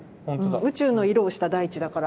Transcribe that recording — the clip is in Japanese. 宇宙の色をした大地だから。